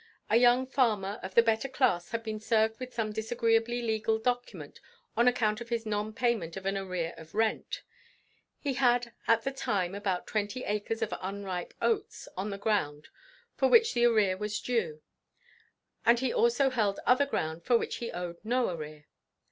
A young farmer of the better class had been served with some disagreeably legal document on account of his non payment of an arrear of rent; he had at the time about twenty acres of unripe oats on the ground for which the arrear was due; and he also held other ground for which he owed no arrear.